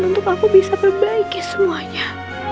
untuk aku bisa perbaiki semuanya